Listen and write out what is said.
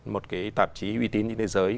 một tạp chí uy tín trên thế giới